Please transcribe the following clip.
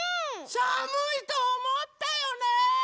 さむいとおもったよね！